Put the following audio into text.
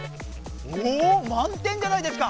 おまん点じゃないですか！